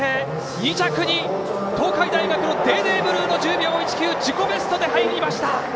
２着に東海大学のデーデーブルーノ１０秒１９自己ベストで入りました。